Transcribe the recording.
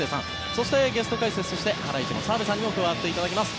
そしてゲスト解説にはハライチ、澤部さんにも加わっていただきます。